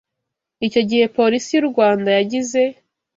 Icyo gihe Polisi y’u Rwanda yagize